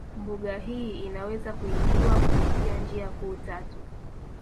Mbuga hii inaweza kuingiwa kupitia njia kuu tatu